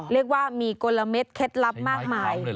เรียกว่ามีกลมเคล็ดลับมากมาย